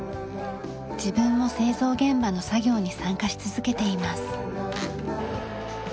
自分も製造現場の作業に参加し続けています。